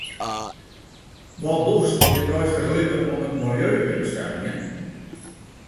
Wat dochst yn it deistich libben om it miljeu te beskermjen?